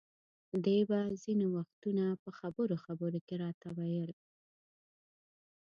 دې به ځینې وختونه په خبرو خبرو کې راته ویل.